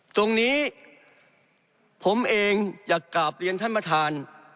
ตรงนี้ผมเองอยากกลับเรียนท่านประธาน